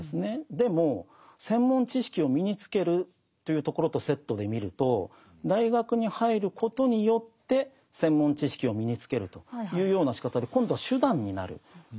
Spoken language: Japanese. でも専門知識を身につけるというところとセットで見ると大学に入ることによって専門知識を身につけるというようなしかたで今度は手段になるわけです。